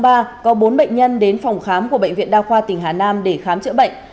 bác sĩ nhân đến phòng khám của bệnh viện đao khoa tỉnh hà nam để khám chữa bệnh